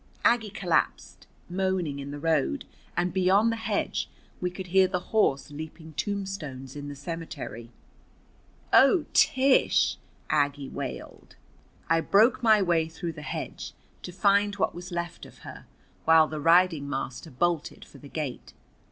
Aggie collapsed, moaning, in the road, and beyond the hedge we could hear the horse leaping tombstones in the cemetery. "Oh, Tish!" Aggie wailed. I broke my way through the hedge to find what was left of her, while the riding master bolted for the gate.